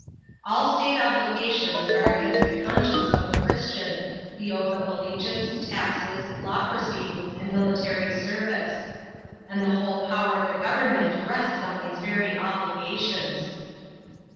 All state obligations are against the conscience of a Christian the oath of allegiance, taxes, law proceedings, and military service. And the whole power of the government rests on these very obligations.